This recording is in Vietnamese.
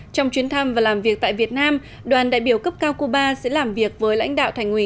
trong chuyến thăm và làm việc tại việt nam đoàn đại biểu cấp cao cuba sẽ làm việc với lãnh đạo thành ủy